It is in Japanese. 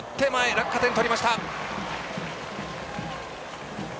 落下点とりました。